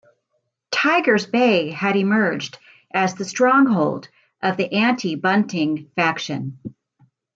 Tiger's Bay had emerged as the stronghold of the anti-Bunting faction.